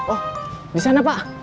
oh disana pak